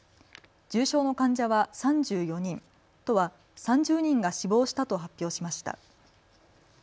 重症の患者は３４人、都は３０人が死亡したと発表しました。